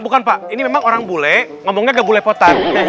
bukan pak ini memang orang bule ngomongnya gak bulepotan